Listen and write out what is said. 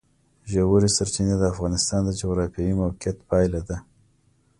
ژورې سرچینې د افغانستان د جغرافیایي موقیعت پایله ده.